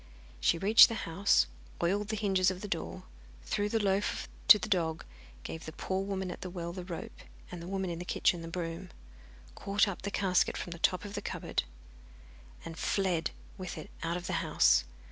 She reached the house, oiled the hinges of the door, threw the loaf to the dog, gave the poor woman at the well the rope, and the woman in the kitchen the broom, caught up the casket from the top of the cupboard, and fled with it out of the house.